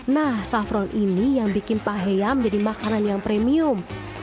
nah safron ini yang bikin paheya menjadi makanan yang premium